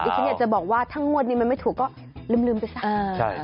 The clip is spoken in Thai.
ฉันอยากจะบอกว่าถ้างวดนี้มันไม่ถูกก็ลืมไปซะ